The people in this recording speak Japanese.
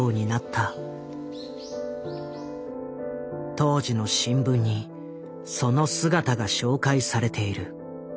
当時の新聞にその姿が紹介されている。